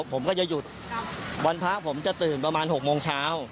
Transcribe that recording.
ผมก็จะหยุดวันพระผมจะตื่นประมาณ๖โมงเช้า